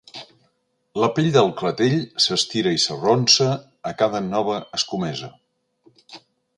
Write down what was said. La pell del clatell s'estira i s'arronsa a cada nova escomesa.